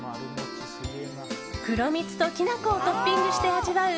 黒蜜と、きな粉をトッピングして味わう